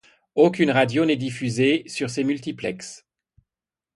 Aucune radio n'est diffusée sur ces multiplexes.